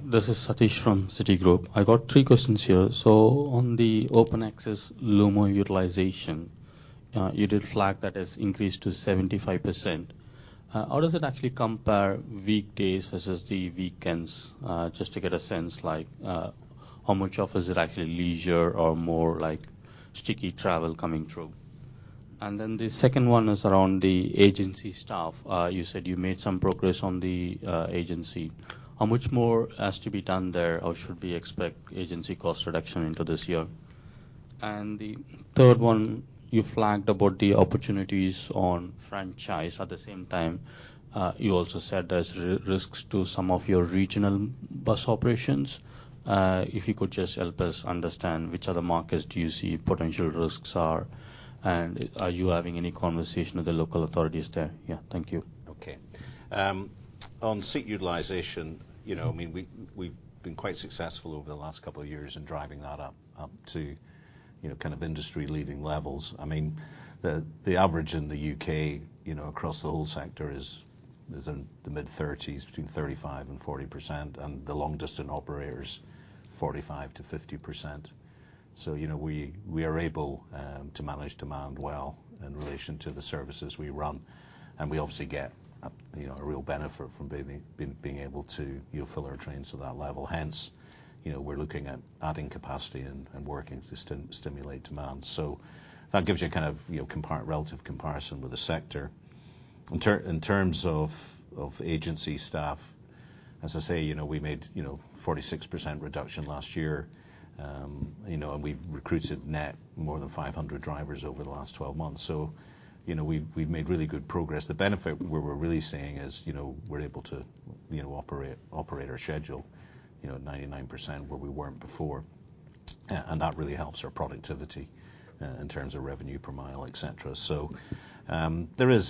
This is Satish from Citigroup. I got three questions here. So, on the open access Lumo utilization, you did flag that it's increased to 75%. How does it actually compare weekdays versus the weekends, just to get a sense like how much of is it actually leisure or more like sticky travel coming through? And then the second one is around the agency staff. You said you made some progress on the agency. How much more has to be done there or should we expect agency cost reduction into this year? And the third one, you flagged about the opportunities on franchise. At the same time, you also said there's risks to some of your regional bus operations. If you could just help us understand which other markets do you see potential risks are, and are you having any conversation with the local authorities there? Yeah, thank you. Okay. On seat utilization, I mean, we've been quite successful over the last couple of years in driving that up to kind of industry-leading levels. I mean, the average in the U.K. across the whole sector is in the mid-30s, between 35%-40%, and the long-distance operators, 45%-50%. So, we are able to manage demand well in relation to the services we run, and we obviously get a real benefit from being able to fill our trains to that level. Hence, we're looking at adding capacity and working to stimulate demand. So, that gives you a kind of relative comparison with the sector. In terms of agency staff, as I say, we made a 46% reduction last year, and we've recruited net more than 500 drivers over the last 12 months. So, we've made really good progress. The benefit we're really seeing is we're able to operate our schedule at 99% where we weren't before, and that really helps our productivity in terms of revenue per mile, etc. So, there is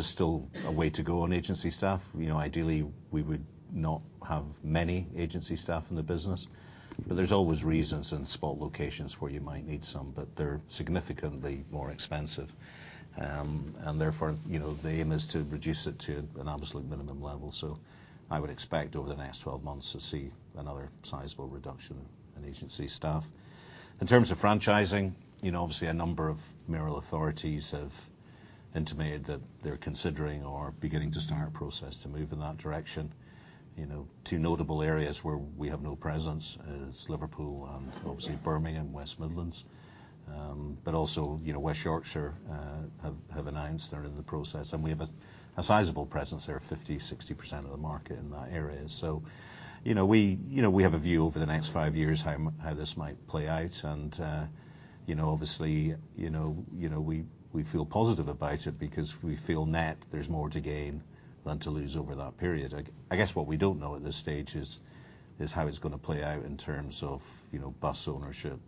still a way to go on agency staff. Ideally, we would not have many agency staff in the business, but there's always reasons and spot locations where you might need some, but they're significantly more expensive. And therefore, the aim is to reduce it to an absolute minimum level. So, I would expect over the next 12 months to see another sizable reduction in agency staff. In terms of franchising, obviously a number of mayoral authorities have intimated that they're considering or beginning to start a process to move in that direction. Two notable areas where we have no presence are Liverpool and obviously Birmingham, West Midlands, but also West Yorkshire have announced they're in the process, and we have a sizable presence there, 50%-60% of the market in that area. So, we have a view over the next five years how this might play out, and obviously we feel positive about it because we feel net there's more to gain than to lose over that period. I guess what we don't know at this stage is how it's going to play out in terms of bus ownership,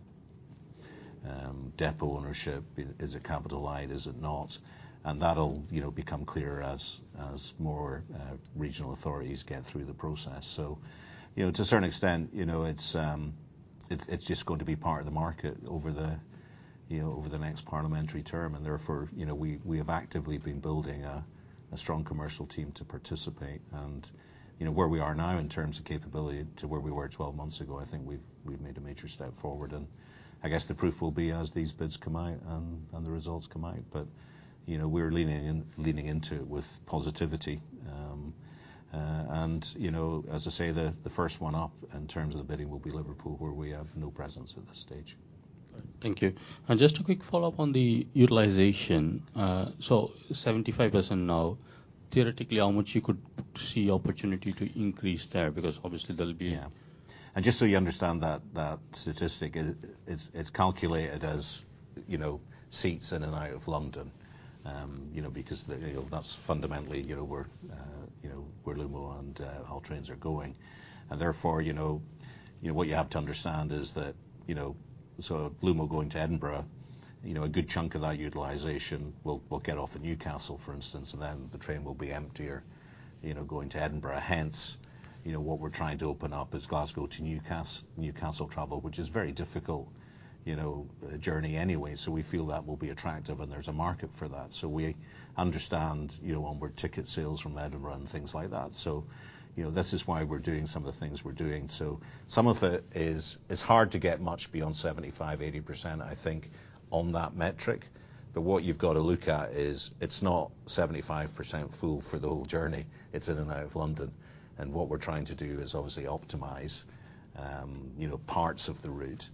depot ownership, is it capital light, is it not, and that'll become clearer as more regional authorities get through the process. So, to a certain extent, it's just going to be part of the market over the next parliamentary term, and therefore we have actively been building a strong commercial team to participate. Where we are now in terms of capability to where we were 12 months ago, I think we've made a major step forward, and I guess the proof will be as these bids come out and the results come out, but we're leaning into it with positivity. As I say, the first one up in terms of the bidding will be Liverpool, where we have no presence at this stage. Thank you. Just a quick follow-up on the utilization. So, 75% now. Theoretically, how much you could see opportunity to increase there? Because obviously there'll be. Yeah. And just so you understand that statistic, it's calculated as seats in and out of London because that's fundamentally where Lumo and Hull Trains are going. And therefore, what you have to understand is that Lumo going to Edinburgh, a good chunk of that utilization will get off at Newcastle, for instance, and then the train will be emptier going to Edinburgh. Hence, what we're trying to open up is Glasgow to Newcastle travel, which is a very difficult journey anyway, so we feel that will be attractive and there's a market for that. So, we understand onward ticket sales from Edinburgh and things like that. So, this is why we're doing some of the things we're doing. So, some of it is hard to get much beyond 75%-80%, I think, on that metric, but what you've got to look at is it's not 75% full for the whole journey. It's in and out of London. And what we're trying to do is obviously optimize parts of the route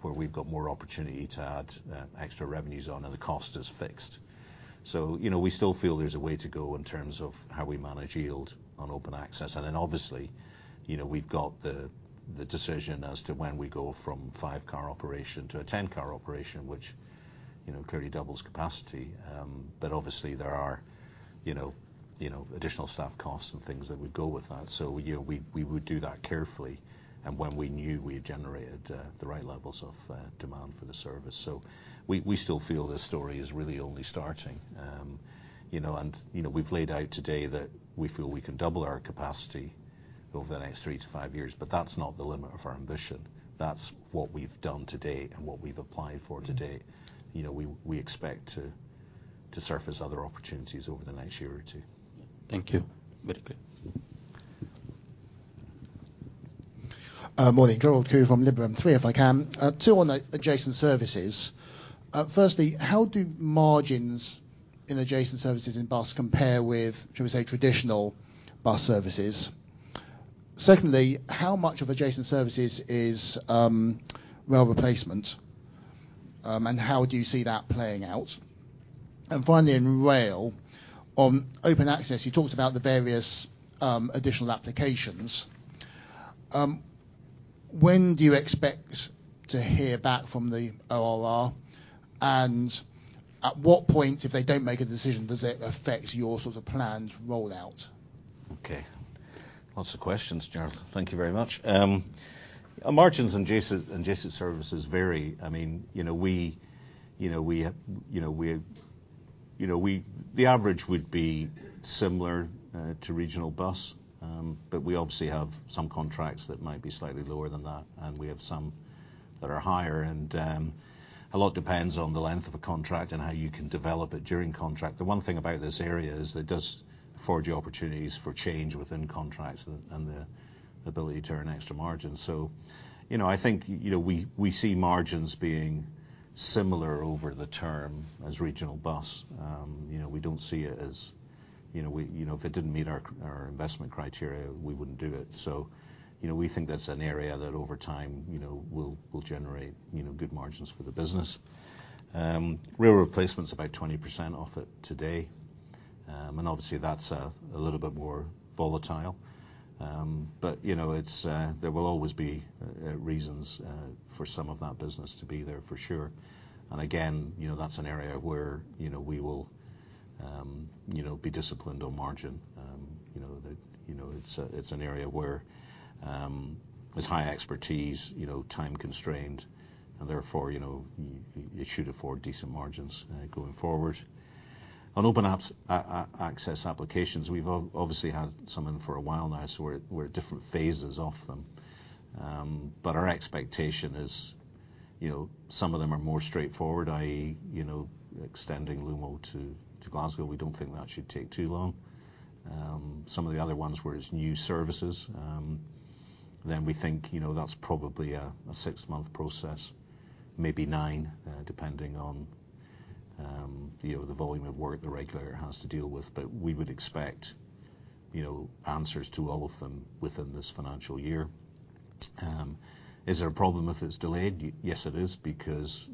where we've got more opportunity to add extra revenues on, and the cost is fixed. So, we still feel there's a way to go in terms of how we manage yield on open access. And then obviously, we've got the decision as to when we go from five-car operation to a 10-car operation, which clearly doubles capacity, but obviously there are additional staff costs and things that would go with that. So, we would do that carefully and when we knew we had generated the right levels of demand for the service. So, we still feel this story is really only starting. We've laid out today that we feel we can double our capacity over the next three-five years, but that's not the limit of our ambition. That's what we've done today and what we've applied for today. We expect to surface other opportunities over the next year or two. Thank you. Morning. Gerald Khoo from Liberum, if I can. Two on adjacent services. Firstly, how do margins in adjacent services in bus compare with, shall we say, traditional bus services? Secondly, how much of adjacent services is rail replacement, and how do you see that playing out? And finally, in rail, on open access, you talked about the various additional applications. When do you expect to hear back from the ORR, and at what point, if they don't make a decision, does it affect your sort of planned rollout? Okay. Lots of questions, Gerald. Thank you very much. Margins in adjacent services vary. I mean, the average would be similar to regional bus, but we obviously have some contracts that might be slightly lower than that, and we have some that are higher, and a lot depends on the length of a contract and how you can develop it during contract. The one thing about this area is that it does afford you opportunities for change within contracts and the ability to earn extra margins. So, I think we see margins being similar over the term as regional bus. We don't see it as if it didn't meet our investment criteria, we wouldn't do it. So, we think that's an area that over time will generate good margins for the business. Rail replacement's about 20% off it today, and obviously that's a little bit more volatile, but there will always be reasons for some of that business to be there for sure. And again, that's an area where we will be disciplined on margin. It's an area where there's high expertise, time constrained, and therefore it should afford decent margins going forward. On open access applications, we've obviously had some in for a while now, so we're at different phases of them, but our expectation is some of them are more straightforward, i.e., extending Lumo to Glasgow. We don't think that should take too long. Some of the other ones where it's new services, then we think that's probably a six-month process, maybe nine, depending on the volume of work the regulator has to deal with, but we would expect answers to all of them within this financial year. Is there a problem if it's delayed? Yes, it is, because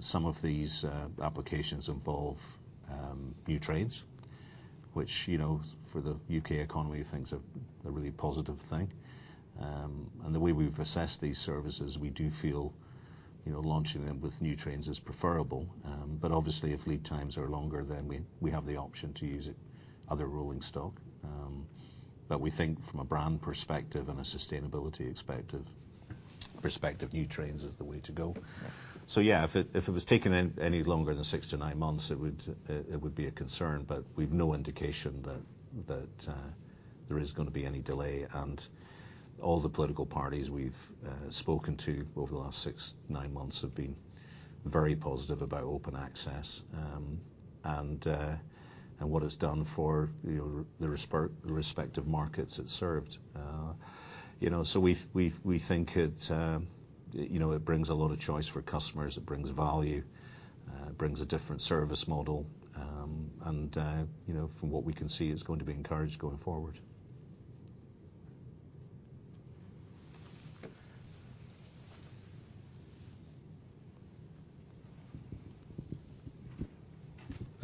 some of these applications involve new trains, which for the U.K. economy, things are a really positive thing. The way we've assessed these services, we do feel launching them with new trains is preferable, but obviously if lead times are longer, then we have the option to use other rolling stock. But we think from a brand perspective and a sustainability perspective, new trains is the way to go. So, yeah, if it was taken any longer than six-nine months, it would be a concern, but we've no indication that there is going to be any delay. All the political parties we've spoken to over the last six-nine months have been very positive about open access and what it's done for the respective markets it served. So, we think it brings a lot of choice for customers, it brings value, it brings a different service model, and from what we can see, it's going to be encouraged going forward.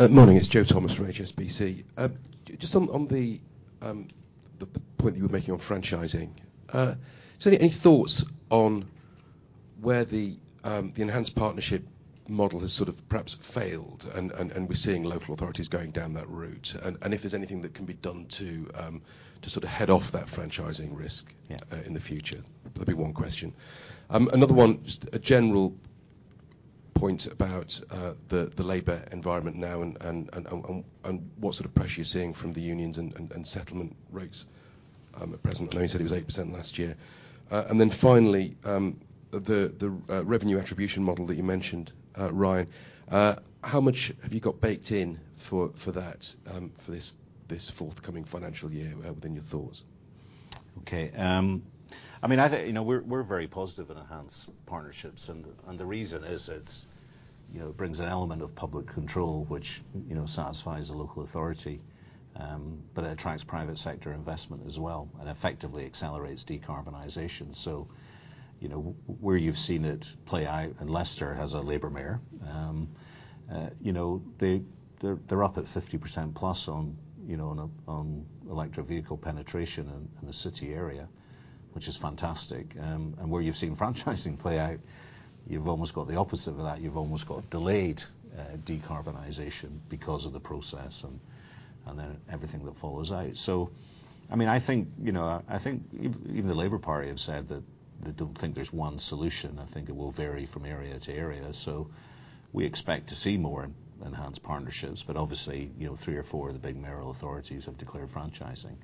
Morning. It's Joe Thomas from HSBC. Just on the point that you were making on franchising, any thoughts on where the enhanced partnership model has sort of perhaps failed and we're seeing local authorities going down that route? And if there's anything that can be done to sort of head off that franchising risk in the future? That'd be one question. Another one, just a general point about the Labour environment now and what sort of pressure you're seeing from the unions and settlement rates at present. I know you said it was 8% last year. And then finally, the revenue attribution model that you mentioned, Ryan, how much have you got baked in for that for this forthcoming financial year within your thoughts? Okay. I mean, we're very positive in enhanced partnerships, and the reason is it brings an element of public control, which satisfies a local authority, but it attracts private sector investment as well and effectively accelerates decarbonization. So, where you've seen it play out, and Leicester has a Labour mayor, they're up at 50%+ on electric vehicle penetration in the city area, which is fantastic. And where you've seen franchising play out, you've almost got the opposite of that. You've almost got delayed decarbonization because of the process and then everything that follows out. So, I mean, I think even the Labour Party have said that they don't think there's one solution. I think it will vary from area to area. So, we expect to see more Enhanced Partnerships, but obviously three or four of the big mayoral authorities have declared Franchising,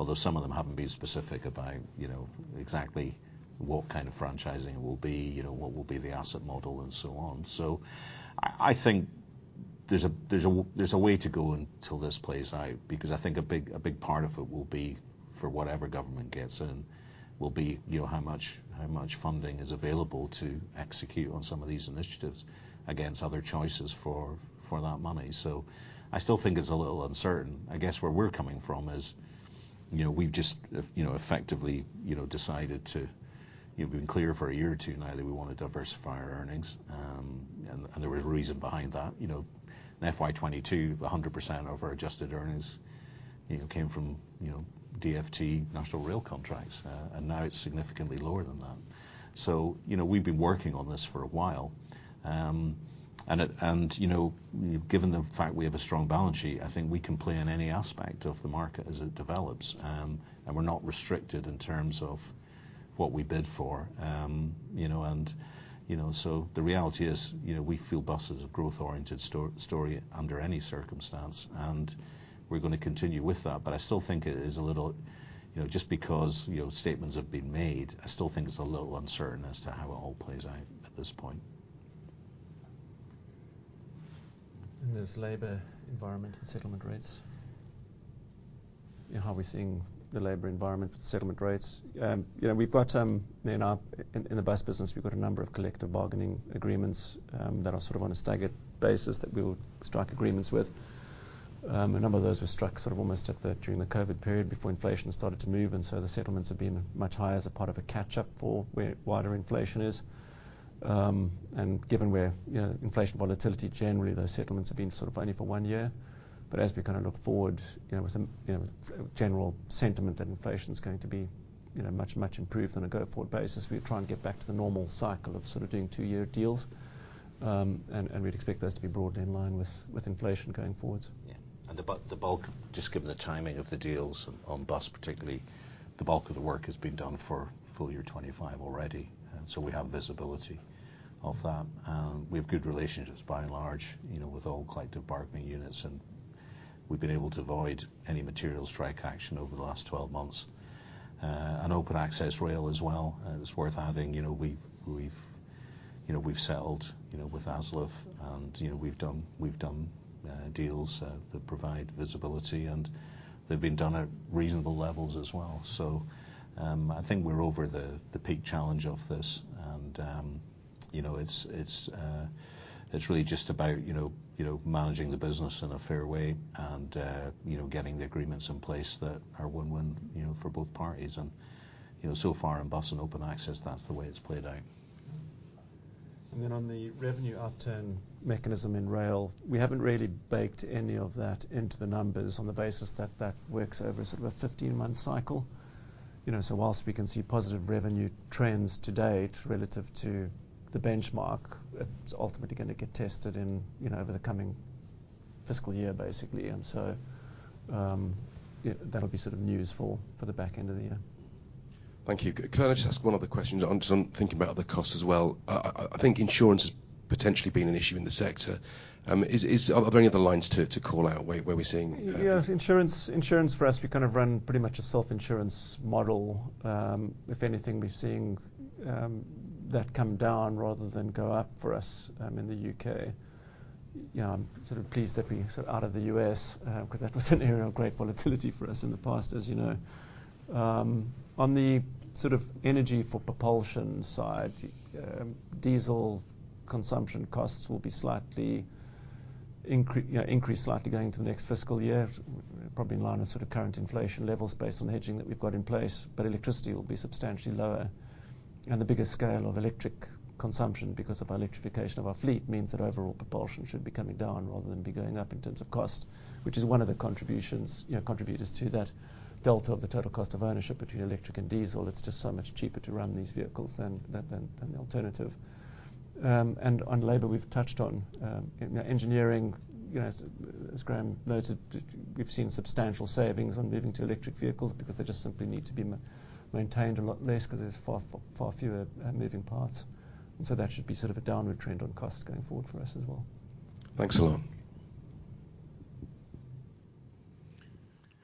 although some of them haven't been specific about exactly what kind of Franchising it will be, what will be the asset model, and so on. So, I think there's a way to go until this plays out because I think a big part of it will be for whatever government gets in will be how much funding is available to execute on some of these initiatives against other choices for that money. So, I still think it's a little uncertain. I guess where we're coming from is we've just effectively decided to be clear for a year or two now that we want to diversify our earnings, and there was a reason behind that. In FY22, 100% of our adjusted earnings came from DFT, National Rail Contracts, and now it's significantly lower than that. So, we've been working on this for a while, and given the fact we have a strong balance sheet, I think we can play in any aspect of the market as it develops, and we're not restricted in terms of what we bid for. And so, the reality is we feel bus is a growth-oriented story under any circumstance, and we're going to continue with that, but I still think it is a little just because statements have been made, I still think it's a little uncertain as to how it all plays out at this point. In this Labour environment and settlement rates, how are we seeing the Labour environment for the settlement rates? We've got in the bus business, we've got a number of collective bargaining agreements that are sort of on a staggered basis that we will strike agreements with. A number of those were struck sort of almost during the COVID period before inflation started to move, and so the settlements have been much higher as a part of a catch-up for where wider inflation is. Given where inflation volatility generally, those settlements have been sort of only for one year, but as we kind of look forward with a general sentiment that inflation's going to be much, much improved on a go-forward basis, we're trying to get back to the normal cycle of sort of doing two-year deals, and we'd expect those to be broadly in line with inflation going forwards. Yeah. And the bulk, just given the timing of the deals on bus, particularly, the bulk of the work has been done for full year 2025 already, and so we have visibility of that. We have good relationships by and large with all collective bargaining units, and we've been able to avoid any material strike action over the last 12 months. And open access rail as well. It's worth adding we've settled with ASLEF, and we've done deals that provide visibility, and they've been done at reasonable levels as well. So, I think we're over the peak challenge of this, and it's really just about managing the business in a fair way and getting the agreements in place that are win-win for both parties. And so far in bus and open access, that's the way it's played out. Then on the revenue upturn mechanism in rail, we haven't really baked any of that into the numbers on the basis that that works over sort of a 15-month cycle. So, while we can see positive revenue trends today relative to the benchmark, it's ultimately going to get tested over the coming fiscal year, basically, and so that'll be sort of news for the back end of the year. Thank you. Can I just ask one other question? I'm thinking about other costs as well. I think insurance has potentially been an issue in the sector. Are there any other lines to call out where we're seeing? Yeah. Insurance for us, we kind of run pretty much a self-insurance model. If anything, we're seeing that come down rather than go up for us in the U.K. I'm sort of pleased that we're sort of out of the U.S because that was an area of great volatility for us in the past, as you know. On the sort of energy for propulsion side, diesel consumption costs will be slightly increased, slightly going into the next fiscal year, probably in line with sort of current inflation levels based on the hedging that we've got in place, but electricity will be substantially lower. The biggest scale of electric consumption, because of our electrification of our fleet, means that overall propulsion should be coming down rather than be going up in terms of cost, which is one of the contributions contributors to that delta of the total cost of ownership between electric and diesel. It's just so much cheaper to run these vehicles than the alternative. And on Labour, we've touched on engineering. As Graham noted, we've seen substantial savings on moving to electric vehicles because they just simply need to be maintained a lot less because there's far fewer moving parts. And so that should be sort of a downward trend on costs going forward for us as well. Thanks a lot.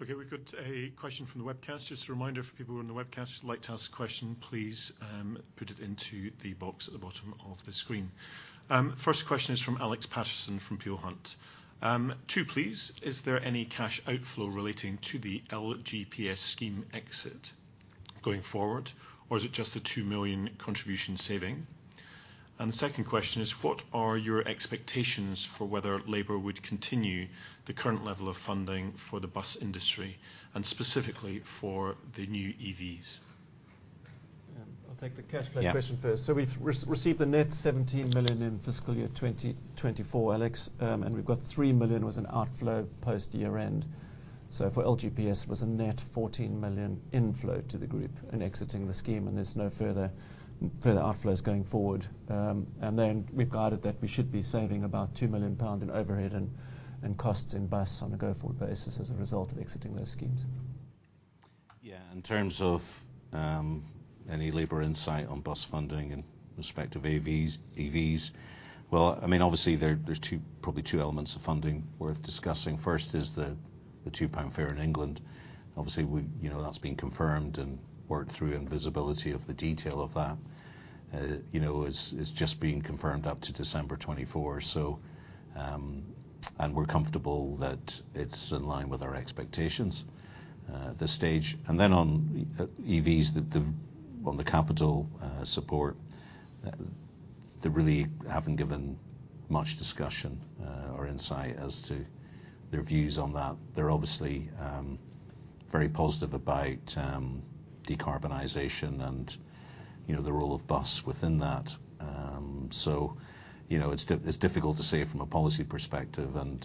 Okay. We've got a question from the webcast. Just a reminder for people who are in the webcast, like to ask a question, please put it into the box at the bottom of the screen. First question is from Alex Paterson from Peel Hunt. Two, please. Is there any cash outflow relating to the LGPS scheme exit going forward, or is it just a 2 million contribution saving? And the second question is, what are your expectations for whether Labour would continue the current level of funding for the bus industry and specifically for the new EVs? I'll take the cash flow question first. So we've received a net 17 million in fiscal year 2024, Alex, and we've got 3 million was an outflow post year-end. So for LGPS, it was a net 14 million inflow to the group in exiting the scheme, and there's no further outflows going forward. And then we've guided that we should be saving about 2 million pounds in overhead and costs in bus on a go-forward basis as a result of exiting those schemes. Yeah. In terms of any Labour insight on bus funding in respect of EVs, well, I mean, obviously there's probably two elements of funding worth discussing. First is the 2 pound fare in England. Obviously, that's been confirmed and worked through, and visibility of the detail of that is just being confirmed up to December 2024, and we're comfortable that it's in line with our expectations at this stage. And then on EVs, on the capital support, they really haven't given much discussion or insight as to their views on that. They're obviously very positive about decarbonization and the role of bus within that. So, it's difficult to say from a policy perspective, and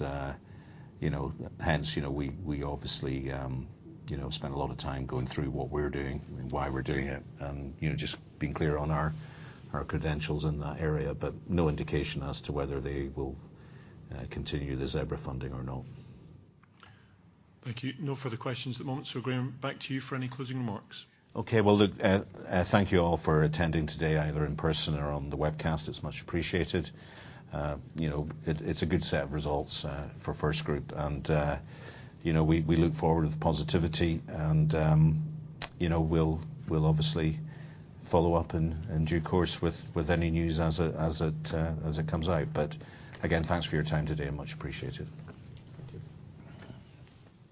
hence we obviously spend a lot of time going through what we're doing and why we're doing it and just being clear on our credentials in that area, but no indication as to whether they will continue the ZEBRA funding or not. Thank you. No further questions at the moment. So, Graham, back to you for any closing remarks. Okay. Well, look, thank you all for attending today either in person or on the webcast. It's much appreciated. It's a good set of results for FirstGroup, and we look forward with positivity, and we'll obviously follow up and do course with any news as it comes out. Again, thanks for your time today. Much appreciated. Thank you.